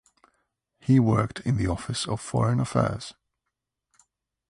He worked in the Office of Foreign Affairs.